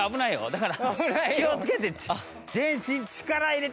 だから気をつけて。